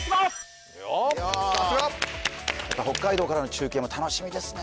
北海道からの中継も楽しみですね